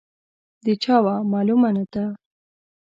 د چا وه، معلومه نه ده.